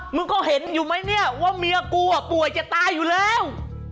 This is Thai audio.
มึงเห็นไหมวะเนี่ยว่ามียากูต่วยจะตายอยู่แล้ว